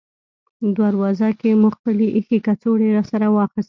دروازه کې مو خپلې اېښې کڅوړې راسره واخیستې.